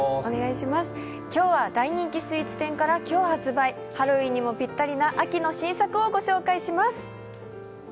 今日は大人気スイーツ店から今日発売、ハロウィンにもぴったりな秋の新作をご紹介します。